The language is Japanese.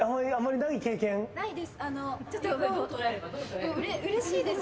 ないです！